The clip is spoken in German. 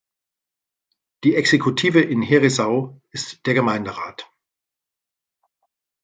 Die Exekutive in Herisau ist der Gemeinderat.